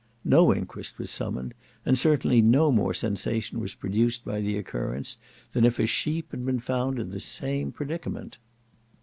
No inquest was summoned; and certainly no more sensation was produced by the occurrence than if a sheep had been found in the same predicament.